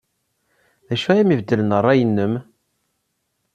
D acu ay am-ibeddlen ṛṛay-nnem?